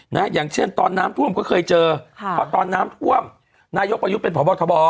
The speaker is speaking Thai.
นะฮะอย่างเช่นตอนน้ำท่วมก็เคยเจอค่ะตอนน้ำท่วมนายกประยุทธ์เป็นผ่อบอกทบอร์